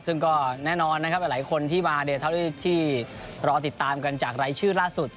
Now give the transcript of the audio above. ซึ่งก็แน่นอนนะครับหลายคนที่มาเนี่ยเท่าที่รอติดตามกันจากรายชื่อล่าสุด